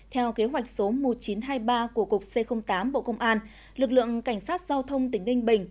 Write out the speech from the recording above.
theo kế hoạch số một nghìn chín trăm hai mươi ba của cục c tám bộ công an lực lượng cảnh sát giao thông tỉnh ninh bình